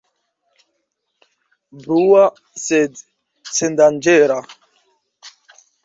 Brua, sed sendanĝera.